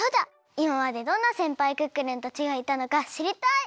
いままでどんなせんぱいクックルンたちがいたのかしりたい！